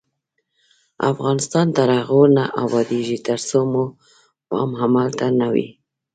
افغانستان تر هغو نه ابادیږي، ترڅو مو پام عمل ته نه وي.